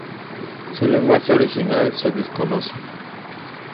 Su lenguaje original se desconoce.